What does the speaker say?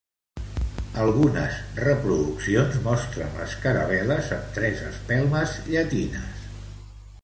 Algunes reproduccions mostren les caravel·les amb tres espelmes llatines.